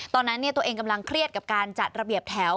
ตอนนั้นตัวเองกำลังเครียดกับการจัดระเบียบแถว